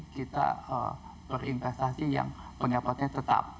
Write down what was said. kita berinvestasi yang pendapatnya tetap